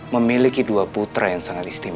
memiliki dua putra yang sangat istimewa